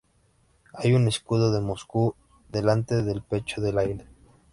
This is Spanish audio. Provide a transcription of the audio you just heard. Hay un escudo de Moscú delante del pecho del águila.